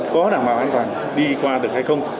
có đảm bảo an toàn đi qua được hay không